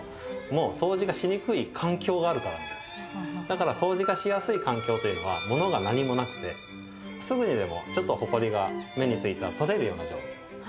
だからそうじがしやすい環境というのは物が何もなくてすぐにでもちょっとほこりが目についたら取れるような状態。